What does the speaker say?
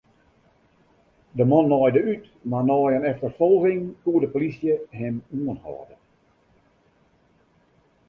De man naaide út, mar nei in efterfolging koe de polysje him oanhâlde.